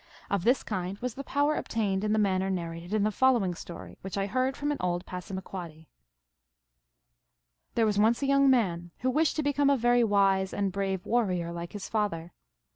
Of this kind was the power obtained in the manner narrated in the following story, which I heard from an old Passamaquoddy :" There was once a young man who wished to be come a very wise and brave warrior, like his father.